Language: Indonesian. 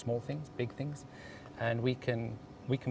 apa yang kita lakukan